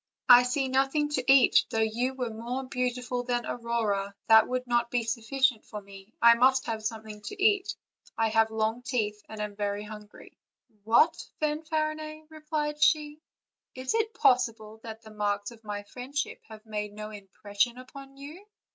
I see nothing to eat; though you were more beautiful than Aurora, that would not be sufficient for me; I must have something to eat; I have long teeth and am very hungry." "What, Fanfarinet!" replied she, "is it possible that the marks of my friendship have made no impression upon you